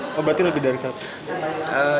oh berarti lebih dari satu